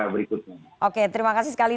berikutnya oke terima kasih sekali